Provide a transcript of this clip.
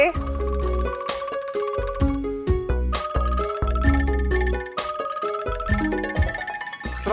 tidak ada masalah